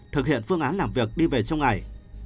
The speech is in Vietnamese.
thực hiện phương án làm việc đi về trong ngày